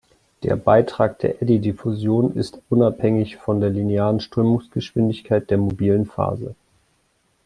Der Beitrag der Eddy-Diffusion ist unabhängig von der linearen Strömungsgeschwindigkeit der mobilen Phase.